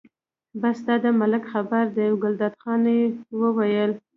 بس دا د ملک خبرې دي، ګلداد خان یې وویل.